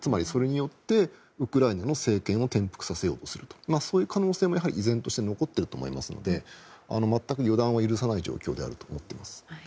それによってウクライナの政権を転覆させようとするという可能性も依然として残っていると思いますので全く予断は許せない状況だと思っています。